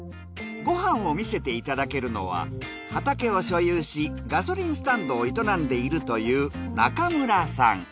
ご飯を見せていただけるのは畑を所有しガソリンスタンドを営んでいるという中村さん。